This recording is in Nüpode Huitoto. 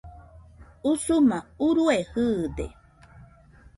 Usuma urue jɨɨde